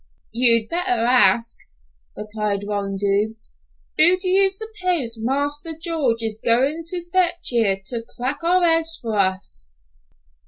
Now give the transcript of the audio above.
"You'd better ask," replied Rondeau. "Who do you suppose Marster George is goin' to fetch here to crack our heads for us?"